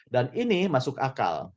dan ini masuk akal